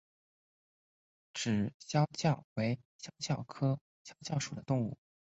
脂肖峭为肖峭科肖峭属的动物。